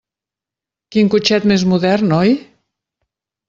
Quin cotxet més modern, oi?